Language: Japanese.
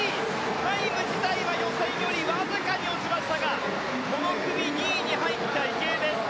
タイム自体は予選よりわずかに落ちましたがこの組２位に入った池江です。